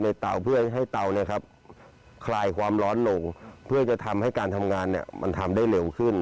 เตาเพื่อให้เตาคลายความร้อนลงเพื่อจะทำให้การทำงานมันทำได้เร็วขึ้น